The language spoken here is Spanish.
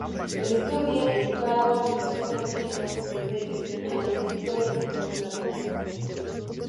Estudia en Padua Filosofía, Medicina e Historia natural.